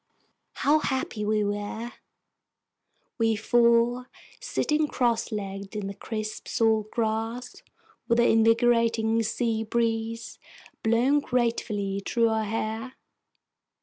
How happy we were, we four, sitting crosslegged in the crisp salt grass, with the invigorating sea breeze blowing gratefully through our hair!